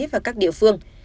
và các địa phương